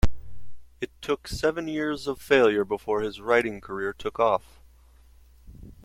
It took seven years of failure before his writing career took off.